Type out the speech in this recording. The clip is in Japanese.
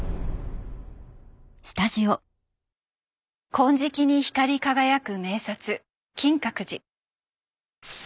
金色に光り輝く名刹金閣寺。